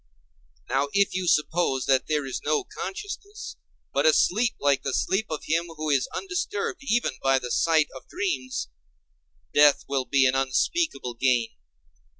Now if you suppose that there is no consciousness, but a sleep like the sleep of him who is undisturbed even by the sight of dreams, death will be an unspeakable gain.